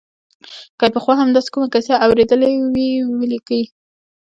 که یې پخوا هم داسې کومه کیسه اورېدلې وي ولیکي.